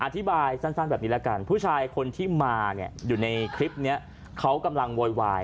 อธิบายสั้นแบบนี้แล้วกันผู้ชายคนที่มาเนี่ยอยู่ในคลิปนี้เขากำลังโวยวาย